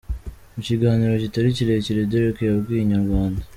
Mu kiganiro kitari kirekire Dereck yabwiye Inyarwanda.